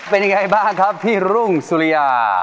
เป็นยังไงบ้างครับพี่รุ่งสุริยา